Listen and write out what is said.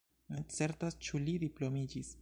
Ne certas ĉu li diplomiĝis.